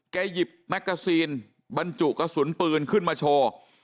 หยิบแมกกาซีนบรรจุกระสุนปืนขึ้นมาโชว์